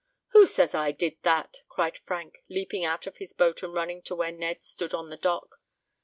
"Who says I did that?" cried Frank, leaping out of his boat and running to where Ned stood on the dock.